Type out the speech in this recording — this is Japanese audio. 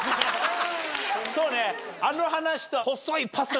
そうね。